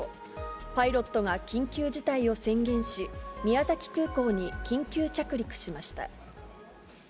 パイロットが緊急事態を宣言し、宮崎空港に緊急着陸しました。